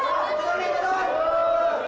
dalah dalah memang bcb bank